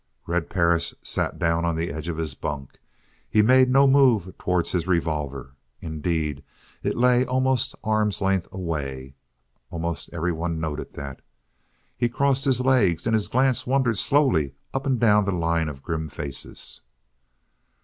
Red Perris sat down on the edge of his bunk. He made no move towards his revolver. Indeed, it lay almost arm's length away. Almost everyone noted that. He crossed his legs and his glance wandered slowly up and down the line of grim faces.